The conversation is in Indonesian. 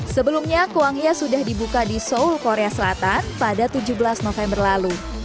sebelumnya kuangya sudah dibuka di seoul korea selatan pada tujuh belas november lalu